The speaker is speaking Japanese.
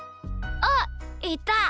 あっいた！